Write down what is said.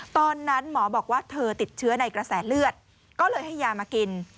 ตอนนั้นหมอบอกว่าเธอติดเชื้อในกระแสเลือดก็เลยให้ยามากิน